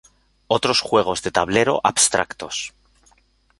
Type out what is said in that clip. Otros juegos de tablero abstractos